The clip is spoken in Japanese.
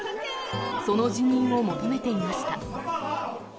その辞任を求めていました。